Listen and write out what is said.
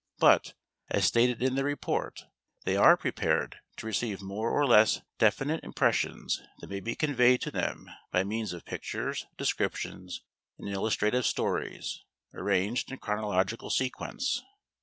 But, as stated in the report, they are prepared to receive more or less definite impressions that may be conveyed to them by means of pictures, descriptions, and illustrative stories, arranged in chronological sequence.